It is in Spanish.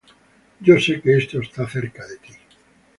Yo sé que esto está cerca de ti.